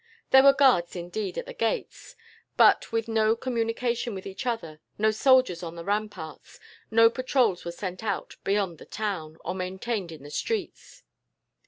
There were guards, indeed, at the gates, but with no communication with each other; no soldiers on the ramparts; no patrols were sent out beyond the town, or maintained in the streets.